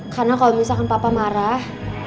karena kalau misalkan bapak marah